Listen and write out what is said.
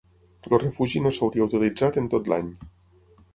El refugi no s'hauria utilitzat en tot l'any.